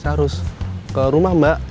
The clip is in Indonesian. harus ke rumah mbak